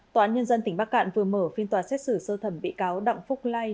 tòa án nhân dân tỉnh bắc cạn vừa mở phiên tòa xét xử sơ thẩm bị cáo đặng phúc lai